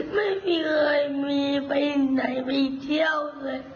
ไม่เคยมีไปไหนไปเที่ยวเลย